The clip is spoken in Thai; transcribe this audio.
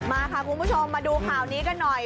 มาค่ะคุณผู้ชมมาดูข่าวนี้กันหน่อย